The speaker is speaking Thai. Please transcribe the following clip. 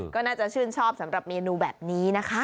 ก็น่าจะชื่นชอบสำหรับเมนูแบบนี้นะคะ